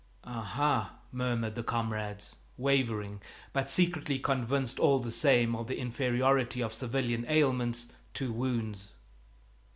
"Ah, ah!" murmured the comrades wavering, but secretly convinced all the same of the inferiority of civilian ailments to wounds.